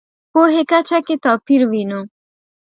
پوهې کچه کې توپیر وینو.